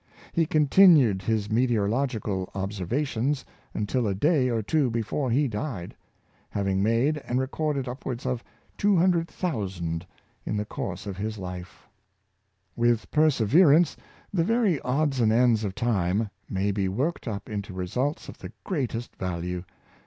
He continued his meteorol ogical observations until a day or two before he died — having made and recorded upwards of 200,000 in the course of his life With perseverance, the very odds and ends of time may be worked up into results of the greatest value.